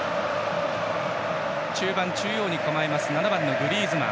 中盤、中央に構える７番のグリーズマン。